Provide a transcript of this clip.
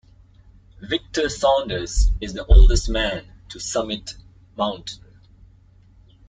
Victor Saunders is the oldest man to summit Mt.